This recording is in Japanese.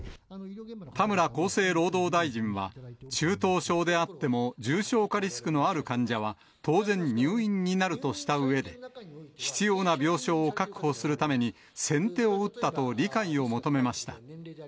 田村厚生労働大臣は、中等症であっても、重症化リスクのある患者は、当然入院になるとしたうえで、必要な病床を確保するために、先手を打ったと理解を求めました。